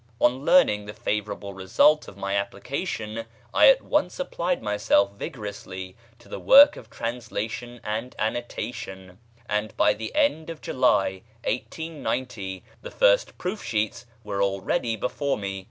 On learning the favourable result of my application I at once applied myself vigorously to the work of translation and annotation, and by the end of July 1890 the first proof sheets were already before me.